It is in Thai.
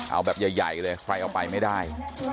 เอาแบบใหญ่เลยใครเอาไปไม่ได้